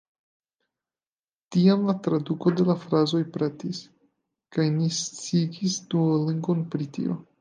Tiam la traduko de la frazoj pretis kaj ni sciigis Duolingon pri tio.